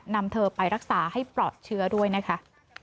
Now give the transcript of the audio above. นำเธอไปรักษาให้ปลอดเชื้อด้วยนะคะ